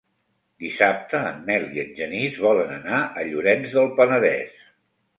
Dissabte en Nel i en Genís volen anar a Llorenç del Penedès.